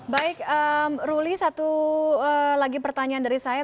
baik ruli satu lagi pertanyaan dari saya